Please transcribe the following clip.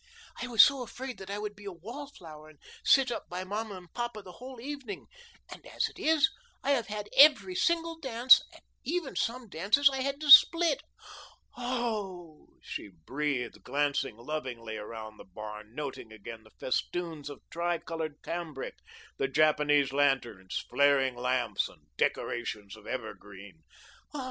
I was so afraid that I would be a wall flower and sit up by mamma and papa the whole evening; and as it is, I have had every single dance, and even some dances I had to split. Oh h!" she breathed, glancing lovingly around the barn, noting again the festoons of tri coloured cambric, the Japanese lanterns, flaring lamps, and "decorations" of evergreen; "oh h!